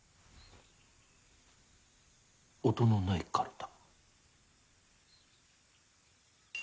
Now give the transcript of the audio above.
音のないかるた。